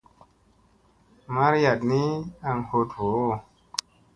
Mariyaɗ ni aŋ hoɗ voo.